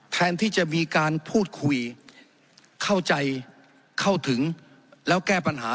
แทนที่จะมีการพูดคุยเข้าใจเข้าถึงแล้วแก้ปัญหา